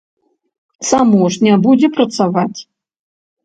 Само ж не будзе працаваць!